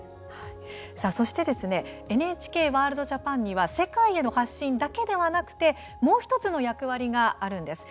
さあ、そしてＮＨＫワールドＪＡＰＡＮには世界への発信だけではなくてもう１つの役割があるんです。